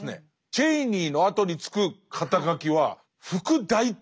チェイニーのあとに付く肩書は「副大統領」とか。